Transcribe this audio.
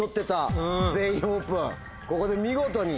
ここで見事に。